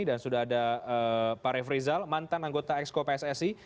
dan sudah ada pak refri zal mantan anggota exco pssi